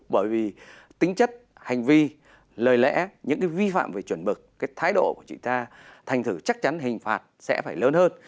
bởi vì tính chất hành vi lời lẽ những cái vi phạm về chuẩn mực cái thái độ của chị ta thành thử chắc chắn hình phạt sẽ phải lớn hơn